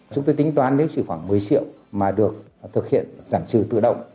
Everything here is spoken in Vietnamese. chúng tôi tính toán nếu chỉ khoảng một mươi triệu mà được thực hiện giảm trừ tự động